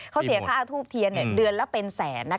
เขาเสียค่าทูบเทียนเดือนละเป็นแสน